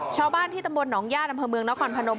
ชาวบ้านที่ตำบลหนองญาติอำเภอเมืองนครพนม